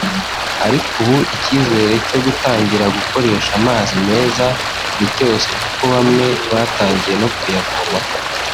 ariko ubu icyizere cyo gutangira gukoresha amazi meza ni cyose kuko bamwe batangiye no kuyavomaho